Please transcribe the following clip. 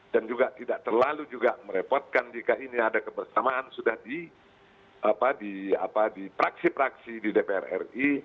dan juga tidak terlalu merepotkan jika ini ada kebersamaan sudah di praksi praksi di dpr ri